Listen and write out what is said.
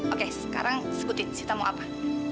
oke sekarang skutit sita mau apa